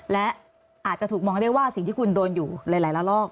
และอาจจะถูกมองได้ว่าสิ่งที่คุณโดนอยู่หลายละลอก